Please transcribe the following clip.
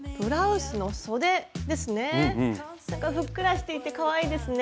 ふっくらしていてかわいいですね。